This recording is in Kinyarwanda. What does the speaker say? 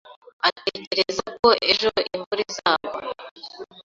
atekereza ko ejo imvura izagwa.